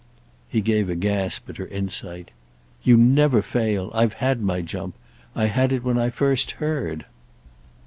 He gave a gasp at her insight. "You never fail! I've had my jump. I had it when I first heard."